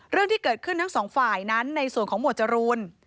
เรื่องที่เกิดขึ้นทั้งสองฝ่ายนั้นในส่วนของหมวดจรูน